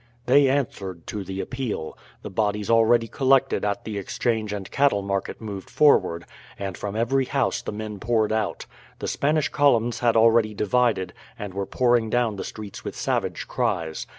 They answered to the appeal. The bodies already collected at the exchange and cattle market moved forward, and from every house the men poured out. The Spanish columns had already divided, and were pouring down the streets with savage cries.